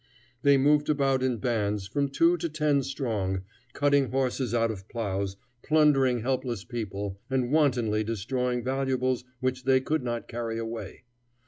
They moved about in bands, from two to ten strong, cutting horses out of plows, plundering helpless people, and wantonly destroying valuables which they could not carry away.